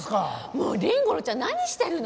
もう凛吾郎ちゃん何してるの！